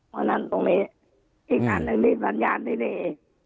แหลงครับตรงนี้อีกอันหนึ่งที่สัญญาณที่ดี